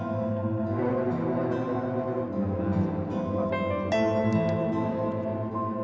allah itu tidak akan membahagiakan kita